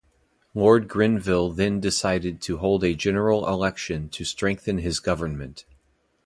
Lord Grenville then decided to hold a general election to strengthen his government.